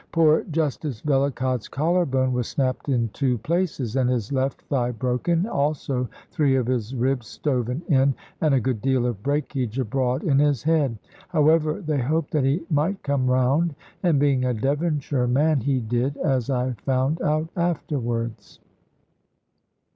Poor Justice Vellacott's collar bone was snapped in two places, and his left thigh broken, also three of his ribs stoven in, and a good deal of breakage abroad in his head. However, they hoped that he might come round; and being a Devonshire man, he did, as I found out afterwards.